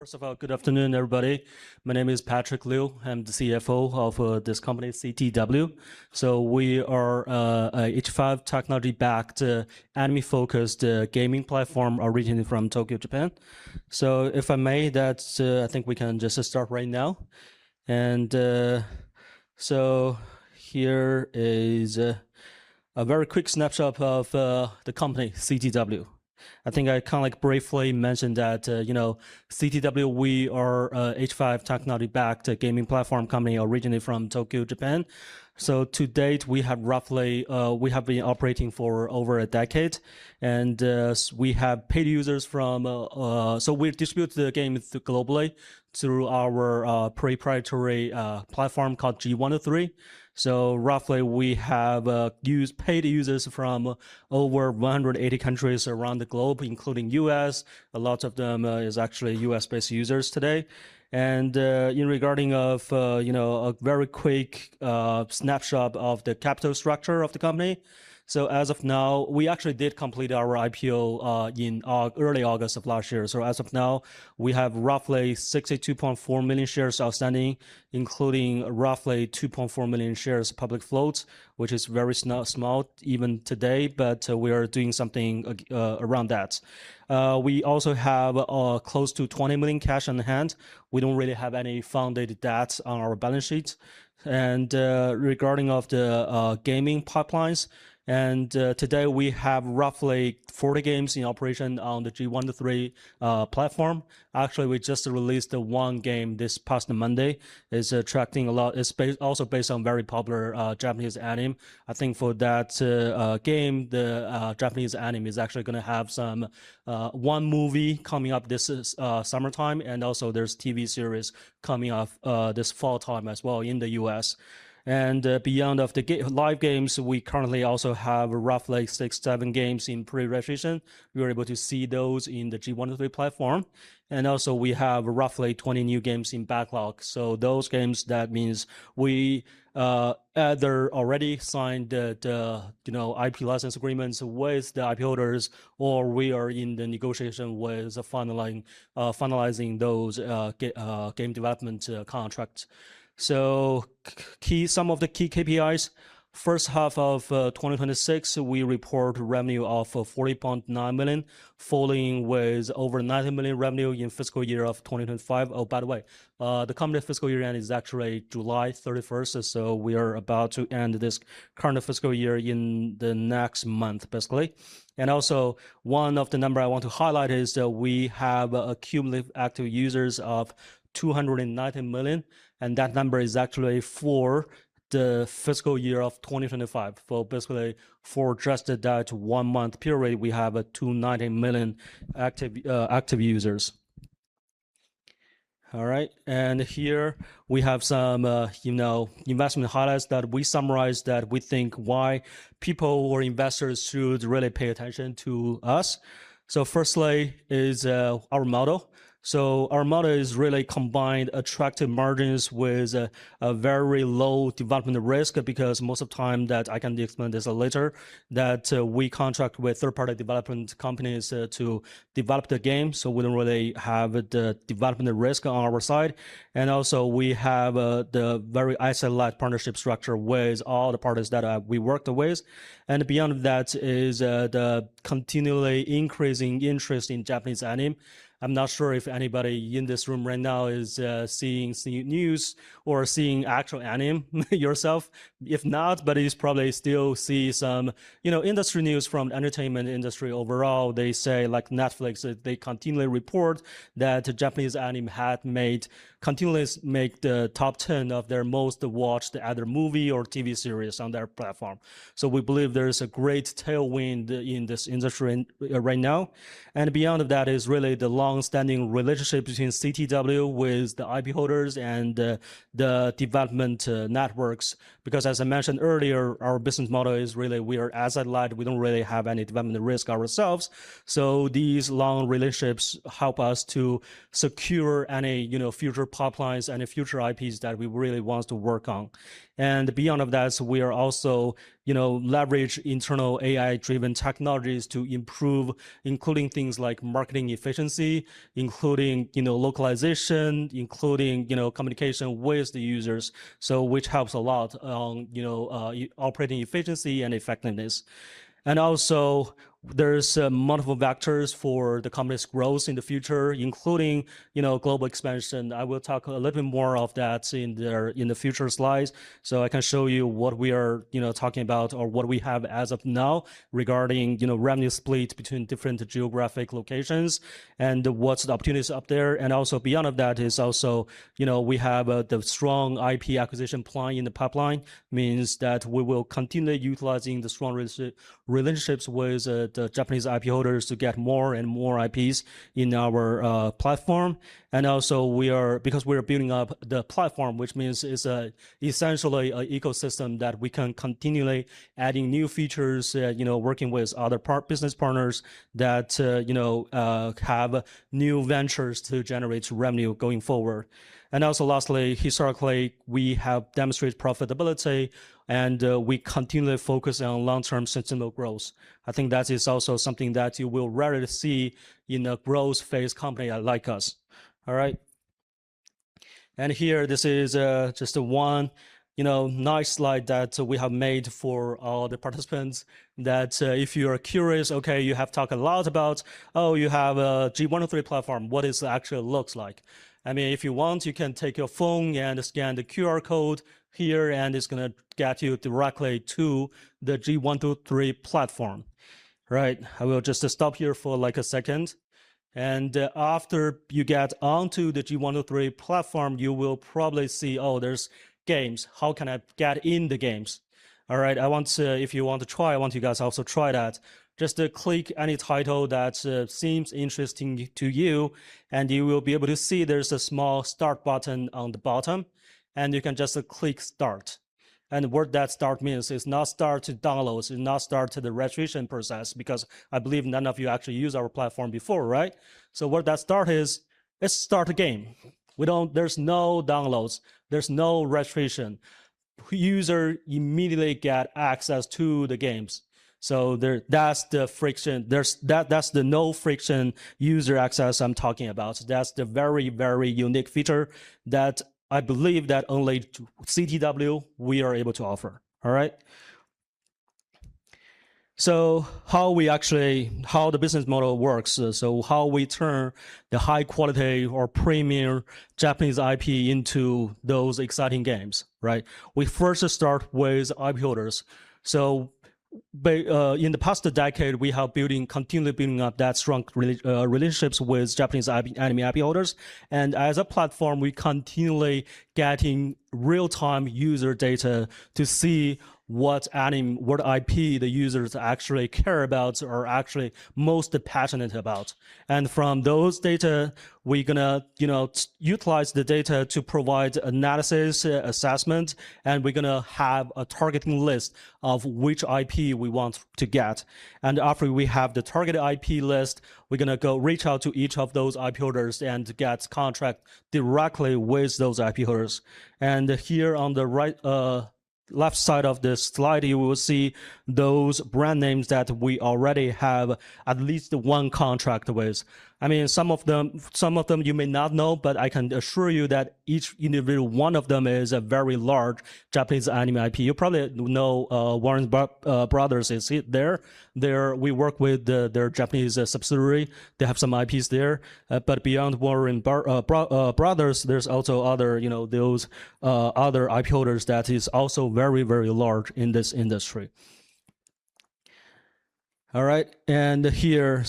First of all, good afternoon, everybody. My name is Patrick Liu. I'm the CFO of this company, CTW. We are a H5 technology-backed, anime-focused gaming platform originally from Tokyo, Japan. If I may, I think we can just start right now. Here is a very quick snapshot of the company, CTW. I think I briefly mentioned that CTW, we are an H5 technology-backed gaming platform company originally from Tokyo, Japan. To date, we have been operating for over a decade, and we have paid users. We've distributed the game globally through our proprietary platform called G123. Roughly, we have paid users from over 180 countries around the globe, including U.S. A lot of them are actually U.S.-based users today. Regarding a very quick snapshot of the capital structure of the company. As of now, we actually did complete our IPO in early August of last year. As of now, we have roughly 62.4 million shares outstanding, including roughly 2.4 million shares public float, which is very small even today, but we are doing something around that. We also have close to 20 million cash on hand. We don't really have any funded debts on our balance sheet. Regarding the gaming pipelines, today we have roughly 40 games in operation on the G123 platform. Actually, we just released one game this past Monday. It's also based on a very popular Japanese anime. I think for that game, the Japanese anime is actually going to have one movie coming up this summertime, and also there's a TV series coming up this fall time as well in the U.S. Beyond the live games, we currently also have roughly 6, 7 games in pre-registration. You're able to see those in the G123 platform. Also we have roughly 20 new games in backlog. Those games, that means we either already signed the IP license agreements with the IP holders, or we are in the negotiation with finalizing those game development contracts. Some of the key KPIs. First half of 2026, we report revenue of 40.9 million, following with over 90 million revenue in fiscal year of 2025. By the way, the company fiscal year-end is actually July 31st. We are about to end this current fiscal year in the next month, basically. Also, one of the numbers I want to highlight is that we have cumulative active users of 290 million, and that number is actually for the fiscal year of 2025. Basically, for just that one-month period, we have 290 million active users. All right. Here we have some investment highlights that we summarized that we think why people or investors should really pay attention to us. Firstly is our model. Our model is really combined attractive margins with a very low development risk, because most of the time that I can explain this later, that we contract with third-party development companies to develop the game. We don't really have the development risk on our side. Beyond that is the continually increasing interest in Japanese anime. I'm not sure if anybody in this room right now is seeing news or seeing actual anime yourself. If not, you probably still see some industry news from the entertainment industry overall. They say, like Netflix, they continually report that Japanese anime had continuously made the top 10 of their most-watched either movie or TV series on their platform. We believe there is a great tailwind in this industry right now. Beyond that is really the long-standing relationship between CTW with the IP holders and the development networks. Because as I mentioned earlier, our business model is really we are asset-light. We don't really have any development risk ourselves. These long relationships help us to secure any future pipelines, any future IPs that we really want to work on. Beyond that, we are also leveraging internal AI-driven technologies to improve, including things like marketing efficiency, including localization, including communication with the users. Which helps a lot on operating efficiency and effectiveness. Also there's multiple vectors for the company's growth in the future, including global expansion. I will talk a little bit more of that in the future slides, so I can show you what we are talking about or what we have as of now regarding revenue split between different geographic locations and what's the opportunities up there. Also beyond that is also we have the strong IP acquisition plan in the pipeline, means that we will continue utilizing the strong relationships with the Japanese IP holders to get more and more IPs in our platform. Also because we are building up the platform, which means it's essentially an ecosystem that we can continually add new features, working with other business partners that have new ventures to generate revenue going forward. Also lastly, historically, we have demonstrated profitability and we continually focus on long-term sustainable growth. I think that is also something that you will rarely see in a growth phase company like us. All right. Here, this is just one nice slide that we have made for all the participants that if you are curious, okay, you have talked a lot about, oh, you have a G123 platform. What does it actually look like? If you want, you can take your phone and scan the QR code here, and it's going to get you directly to the G123 platform. Right. I will just stop here for a second. After you get onto the G123 platform, you will probably see, oh, there's games. How can I get in the games? All right. If you want to try, I want you guys to also try that. Just click any title that seems interesting to you, and you will be able to see there's a small Start button on the bottom, and you can just click Start. What that start means is not start to download, it's not start to the registration process, because I believe none of you actually used our platform before, right? What that start is start the game. There's no downloads. There's no registration. User immediately gets access to the games. That's the no-friction user access I'm talking about. That's the very, very unique feature that I believe that only CTW, we are able to offer. All right? How the business model works. How we turn the high quality or premier Japanese IP into those exciting games, right? We first start with IP holders. In the past decade, we have continually been building up that strong relationships with Japanese anime IP holders. As a platform, we're continually getting real-time user data to see what anime, what IP the users actually care about or are actually most passionate about. From those data, we're going to utilize the data to provide analysis, assessment, and we're going to have a targeting list of which IP we want to get. After we have the targeted IP list, we're going to go reach out to each of those IP holders and get contracts directly with those IP holders. Here on the left side of this slide, you will see those brand names that we already have at least one contract with. Some of them you may not know, but I can assure you that each individual one of them is a very large Japanese anime IP. You probably know Warner Bros. is there. We work with their Japanese subsidiary. They have some IPs there. Beyond Warner Bros., there's also those other IP holders that is also very large in this industry. All right. Here,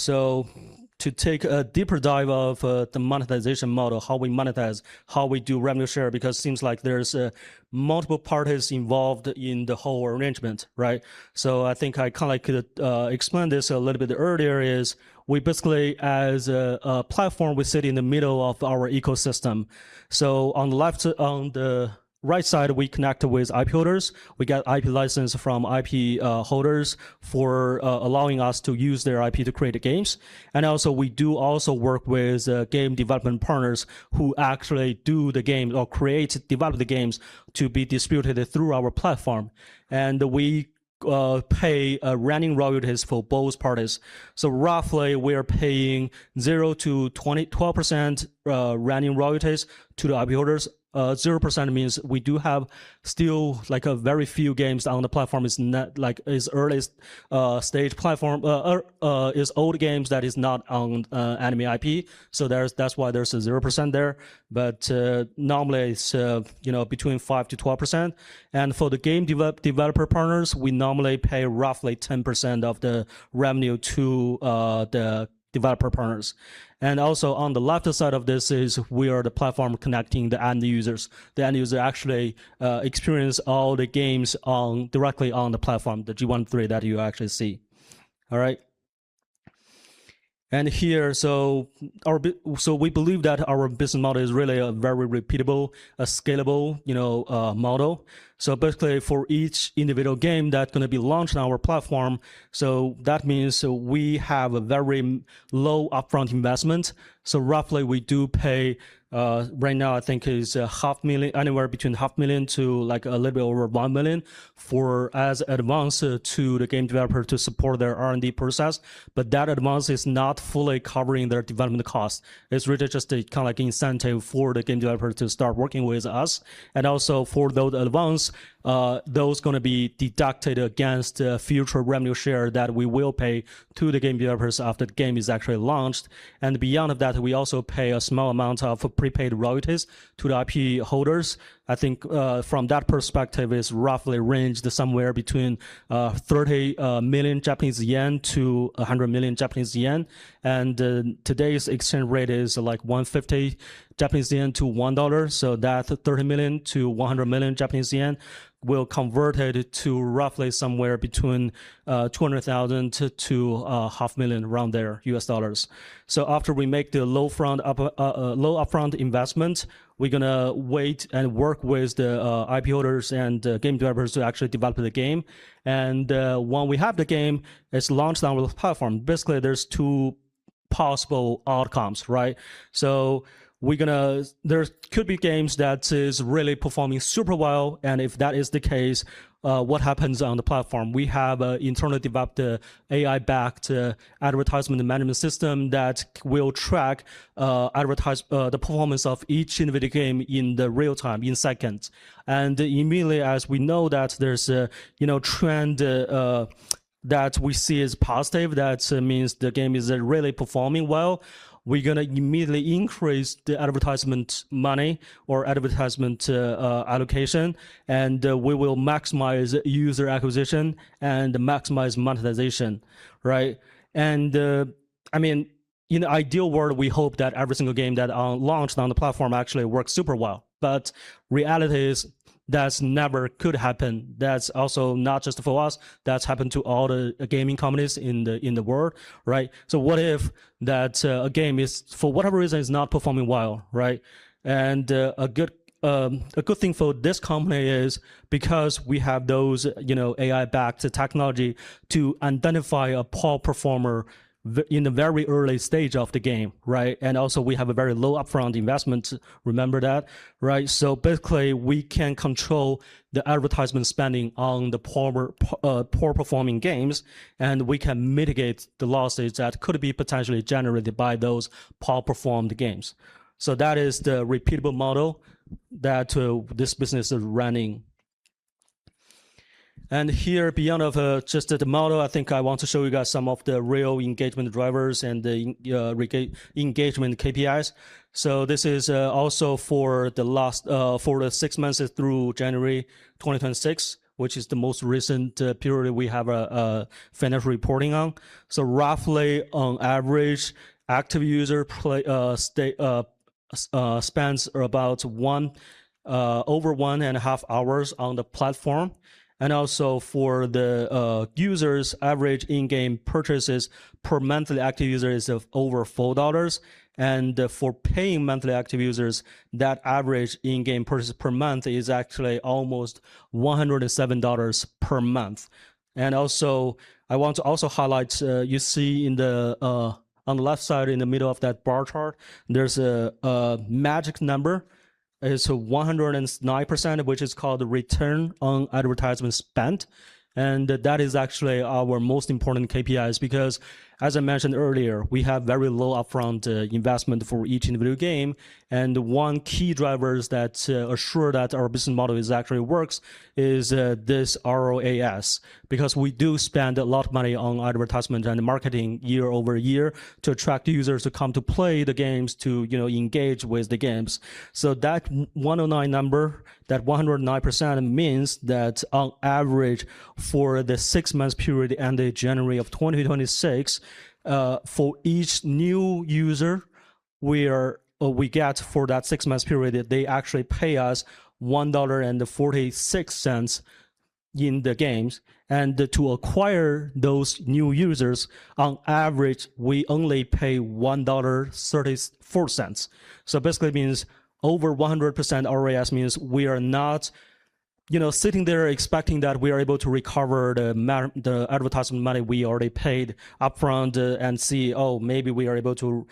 to take a deeper dive of the monetization model, how we monetize, how we do revenue share, because seems like there's multiple parties involved in the whole arrangement, right? I think I kind of could explain this a little bit earlier is, we basically, as a platform, we sit in the middle of our ecosystem. On the right side, we connect with IP holders. We get IP license from IP holders for allowing us to use their IP to create games. Also, we do also work with game development partners who actually do the games or create, develop the games to be distributed through our platform. We pay running royalties for both parties. Roughly, we are paying 0%-12% running royalties to the IP holders. 0% means we do have still a very few games on the platform. Is old games that is not on anime IP. That's why there's a 0% there. Normally, it's between 5%-12%. For the game developer partners, we normally pay roughly 10% of the revenue to the developer partners. Also on the left side of this is we are the platform connecting the end users. The end user actually experience all the games directly on the platform, the G123 that you actually see. All right? Here, we believe that our business model is really a very repeatable, scalable model. Basically, for each individual game that's going to be launched on our platform, that means we have a very low upfront investment. Roughly, we do pay, right now, I think is anywhere between half million to a little bit over 1 million as advance to the game developer to support their R&D process. That advance is not fully covering their development cost. It's really just a kind of incentive for the game developer to start working with us. Also for those advance, those going to be deducted against future revenue share that we will pay to the game developers after the game is actually launched. Beyond that, we also pay a small amount of prepaid royalties to the IP holders. From that perspective, it is roughly ranged somewhere between 30 million Japanese yen to 100 million Japanese yen. Today's exchange rate is like 150 Japanese yen to $1, so that 30 million to 100 million Japanese yen will convert it to roughly somewhere between $200,000 to half million, around there, US dollars. After we make the low upfront investment, we're going to wait and work with the IP holders and game developers to actually develop the game. When we have the game, it's launched on the platform. Basically, there's two possible outcomes, right? There could be games that are really performing super well, and if that is the case, what happens on the platform? We have an internal developed AI-backed advertisement management system that will track the performance of each individual game in real time, in seconds. Immediately, as we know that there's a trend that we see as positive, that means the game is really performing well, we're going to immediately increase the advertisement money or advertisement allocation, and we will maximize user acquisition and maximize monetization. Right? In an ideal world, we hope that every single game that launched on the platform actually works super well. Reality is that never could happen. That's also not just for us, that's happened to all the gaming companies in the world, right? What if a game, for whatever reason, is not performing well, right? A good thing for this company is because we have those AI-backed technology to identify a poor performer in the very early stage of the game, right? Also we have a very low upfront investment, remember that, right? Basically, we can control the advertisement spending on the poor-performing games, and we can mitigate the losses that could be potentially generated by those poor-performed games. That is the repeatable model that this business is running. Here, beyond just the model, I think I want to show you guys some of the real engagement drivers and the engagement KPIs. This is also for the last six months through January 2026, which is the most recent period we have finished reporting on. Roughly on average, active user spends about over one and a half hours on the platform. Also for the users, average in-game purchases per monthly active user is over $4. For paying monthly active users, that average in-game purchase per month is actually almost $107 per month. Also, I want to also highlight, you see on the left side, in the middle of that bar chart, there's a magic number. It's 109%, which is called the return on advertisement spent. That is actually our most important KPIs because, as I mentioned earlier, we have very low upfront investment for each individual game. One key driver that assures that our business model actually works is this ROAS, because we do spend a lot of money on advertisement and marketing year-over-year to attract users to come to play the games, to engage with the games. That 109 number, that 109% means that on average for the six-month period ended January of 2026, for each new user we get for that six-month period, they actually pay us $1.46 in the games. To acquire those new users, on average, we only pay $1.34. Basically, it means over 100% ROAS means we are not sitting there expecting that we are able to recover the advertisement money we already paid upfront and see, oh, maybe we are able to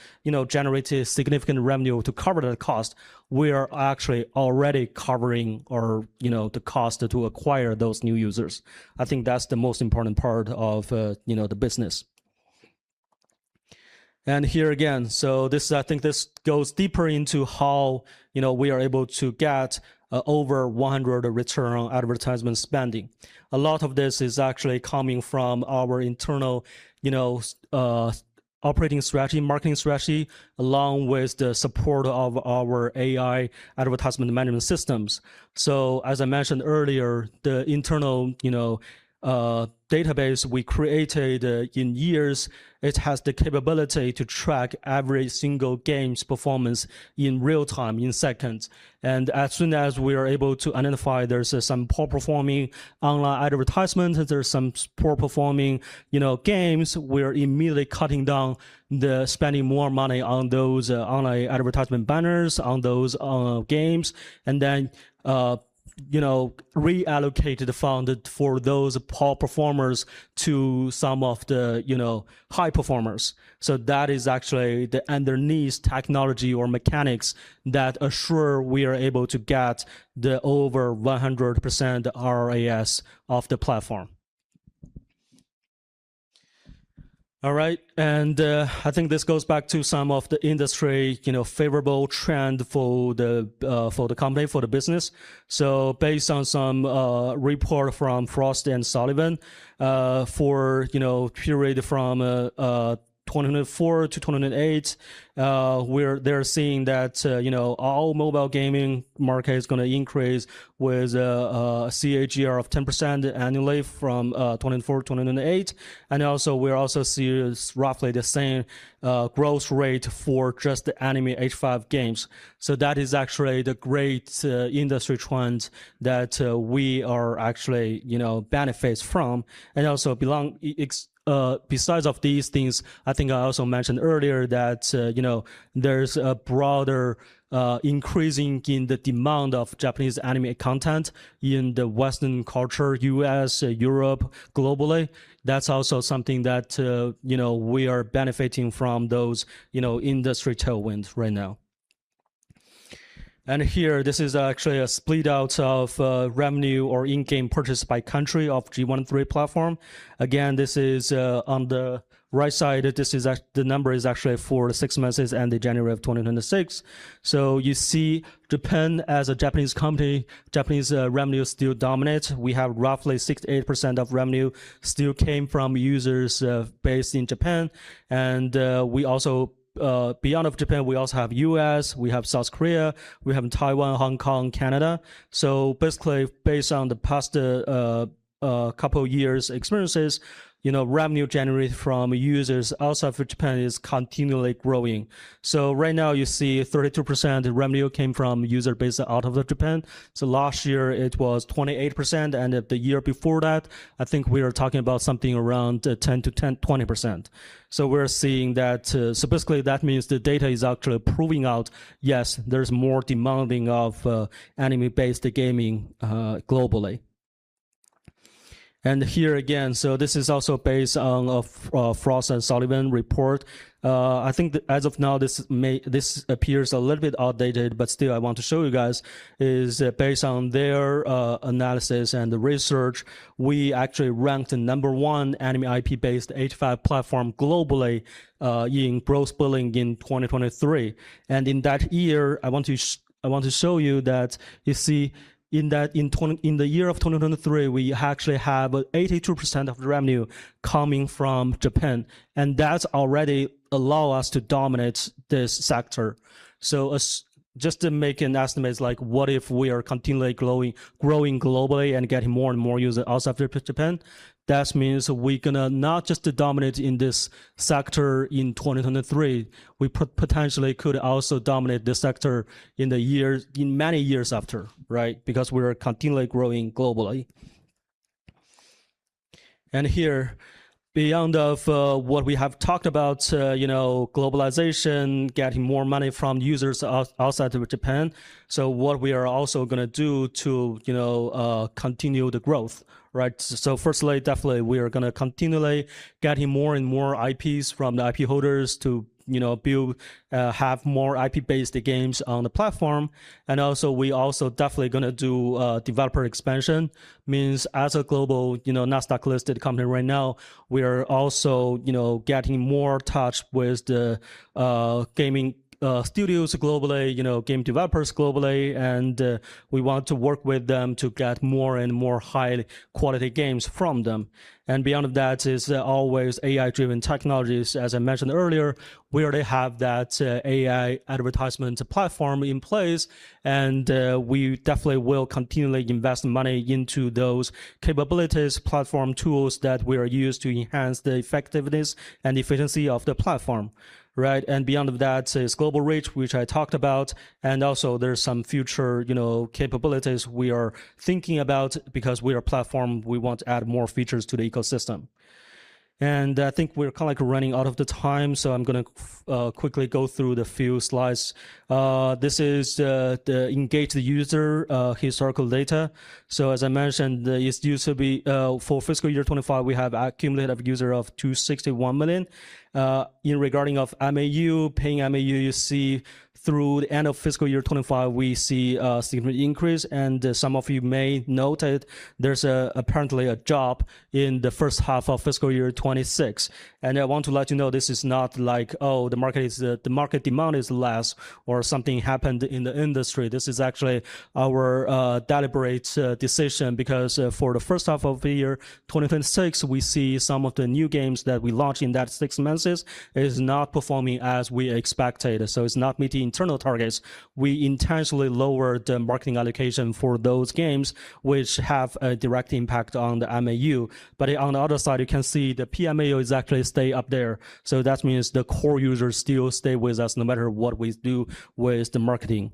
generate a significant revenue to cover the cost. We are actually already covering the cost to acquire those new users. I think that's the most important part of the business. Here again, I think this goes deeper into how we are able to get over 100% return on advertisement spending. A lot of this is actually coming from our internal operating strategy, marketing strategy, along with the support of our AI advertisement management systems. As I mentioned earlier, the internal database we created in years, it has the capability to track every single game's performance in real time, in seconds. As soon as we are able to identify there's some poor-performing online advertisement, there's some poor-performing games, we are immediately cutting down the spending more money on those online advertisement banners, on those games, and then reallocate the fund for those poor performers to some of the high performers. That is actually the underneath technology or mechanics that assure we are able to get the over 100% ROAS of the platform. All right. I think this goes back to some of the industry favorable trend for the company, for the business. Based on some report from Frost & Sullivan, for period from 2024 to 2028, they're seeing that all mobile gaming market is going to increase with a CAGR of 10% annually from 2024 to 2028. Also, we're also seeing roughly the same growth rate for just the anime H5 games. That is actually the great industry trends that we are actually benefited from. Also, besides of these things, I think I also mentioned earlier that there's a broader increasing in the demand of Japanese anime content in the Western culture, U.S., Europe, globally. That's also something that we are benefiting from those industry tailwinds right now. Here, this is actually a split-out of revenue or in-game purchase by country of G123 platform. Again, this is on the right side. The number is actually for six months ending January of 2026. You see Japan as a Japanese company, Japanese revenue still dominates. We have roughly 68% of revenue still came from users based in Japan. Beyond of Japan, we also have U.S., we have South Korea, we have Taiwan, Hong Kong, Canada. Basically, based on the past couple years' experiences, revenue generated from users outside of Japan is continually growing. Right now, you see 32% revenue came from user base out of Japan. Last year it was 28%, and the year before that, I think we are talking about something around 10%-20%. Basically that means the data is actually proving out, yes, there's more demanding of anime-based gaming globally. Here again, this is also based on a Frost & Sullivan report. I think as of now, this appears a little bit outdated, but still I want to show you guys is, based on their analysis and the research, we actually ranked number one anime IP-based H5 platform globally in gross billing in 2023. In that year, I want to show you that in the year of 2023, we actually have 82% of revenue coming from Japan, that already allow us to dominate this sector. Just to make an estimate, what if we are continually growing globally and getting more and more users outside of Japan? We're going to not just dominate in this sector in 2023, we potentially could also dominate the sector in many years after, right? Because we are continually growing globally. Here, beyond of what we have talked about, globalization, getting more money from users outside of Japan, what we are also going to do to continue the growth, right? Firstly, definitely we are going to continually getting more and more IPs from the IP holders to have more IP-based games on the platform. We also definitely going to do developer expansion, means as a global NASDAQ-listed company right now, we are also getting more touch with the gaming studios globally, game developers globally, and we want to work with them to get more and more high-quality games from them. Beyond that is always AI-driven technologies. As I mentioned earlier, we already have that AI advertisement platform in place, we definitely will continually invest money into those capabilities, platform tools that we use to enhance the effectiveness and efficiency of the platform, right? Beyond that is global reach, which I talked about, also there's some future capabilities we are thinking about. We are a platform, we want to add more features to the ecosystem. I think we're running out of the time, I'm going to quickly go through the few slides. This is the engaged user historical data. As I mentioned, for FY 2025, we have accumulated user of 261 million. In regarding of MAU, PMAU, you see through the end of FY 2025, we see a significant increase, some of you may note it. There's apparently a drop in the first half of FY 2026. I want to let you know, this is not like, oh, the market demand is less or something happened in the industry. This is actually our deliberate decision because for the first half of the year 2026, we see some of the new games that we launch in that six months is not performing as we expected. It's not meeting internal targets. We intentionally lower the marketing allocation for those games, which have a direct impact on the MAU. On the other side, you can see the PMAU is actually stay up there. That means the core users still stay with us no matter what we do with the marketing.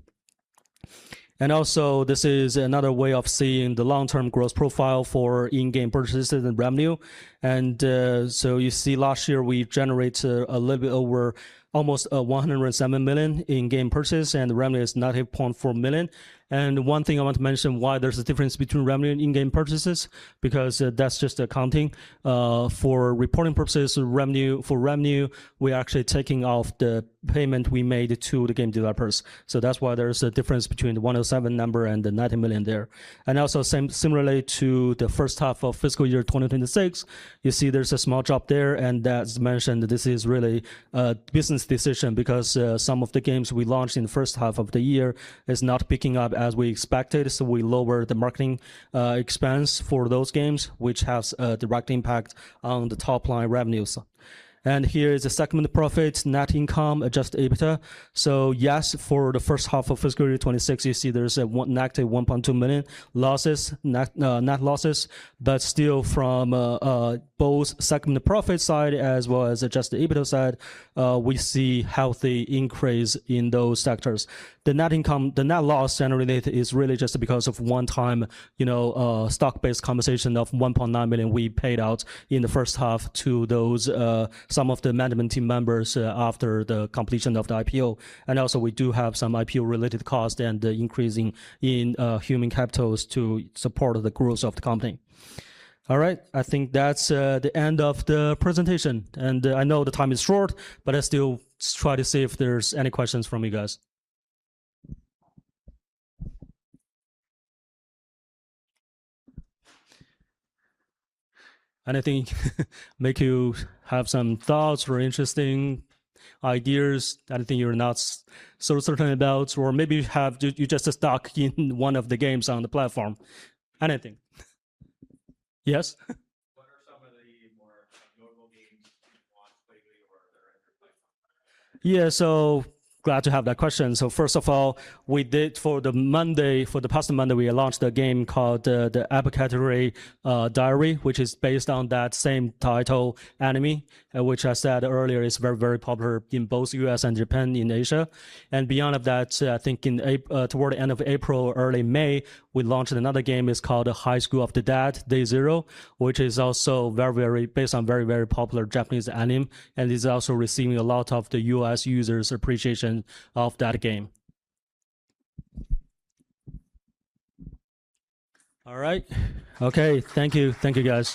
This is another way of seeing the long-term growth profile for in-game purchases and revenue. You see last year we generate a little bit over almost 107 million in-game purchase, revenue is 90.4 million. One thing I want to mention why there's a difference between revenue and in-game purchases, that's just accounting. For reporting purposes, for revenue, we're actually taking off the payment we made to the game developers. That's why there's a difference between the 107 number and the 90 million there. Similarly to the first half of FY 2026, you see there's a small drop there, that's mentioned. This is really a business decision because some of the games we launched in the first half of the year is not picking up as we expected. We lower the marketing expense for those games, which has a direct impact on the top-line revenues. Here is the segment profit, net income, adjusted EBITDA. Yes, for the first half of fiscal year 2026, you see there is a negative 1.2 million net losses, but still from both segment profit side as well as adjusted EBITDA side, we see healthy increase in those sectors. The net loss generated is really just because of one-time stock-based compensation of 1.9 million we paid out in the first half to some of the management team members after the completion of the IPO. Also we do have some IPO-related cost and increasing in human capitals to support the growth of the company. All right. I think that's the end of the presentation. I know the time is short, but let's still try to see if there's any questions from you guys. Anything make you have some thoughts or interesting ideas? Anything you're not so certain about, or maybe you're just stuck in one of the games on the platform. Anything. Yes? What are some of the more notable games you launched lately or are there in your pipeline? Glad to have that question. First of all, for the past Monday, we launched a game called "The Apothecary Diaries," which is based on that same title anime, which I said earlier is very, very popular in both U.S. and Japan, in Asia. Beyond of that, I think toward the end of April or early May, we launched another game. It's called "Highschool of the Dead: Day 0," which is also based on very, very popular Japanese anime and is also receiving a lot of the U.S. users appreciation of that game. All right. Okay. Thank you. Thank you, guys.